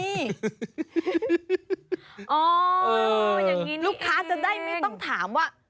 อย่างนี้ลูกค้าจะได้ไม่ต้องถามว่า